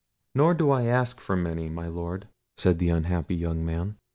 "Nor do I ask many, my Lord," said the unhappy young man.